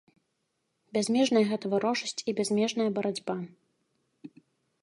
Бязмежная гэта варожасць і бязмежная барацьба!